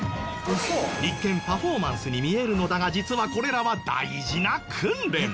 一見パフォーマンスに見えるのだが実はこれらは大事な訓練！